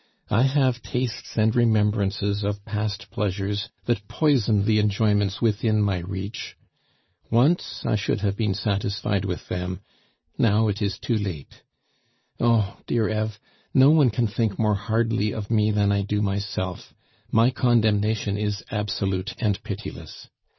I have tastes and remembrances of past pleasures that poison the enjoyments within my reach; once I should have been satisfied with them, now it is too late. Oh, dear Eve, no one can think more hardly of me than I do myself; my condemnation is absolute and pitiless.